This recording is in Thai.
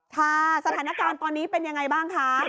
ค่ะสถานการณ์ตอนนี้เป็นยังไงบ้างคะ